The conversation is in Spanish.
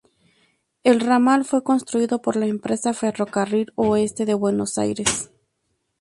El ramal fue construido por la empresa Ferrocarril Oeste de Buenos Aires.